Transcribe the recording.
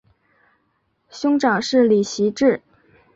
兄长是李袭志。